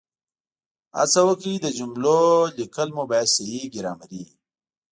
هڅه وکړئ د جملو لیکل مو باید صحیح ګرامري وي